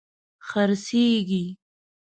خرڅیږې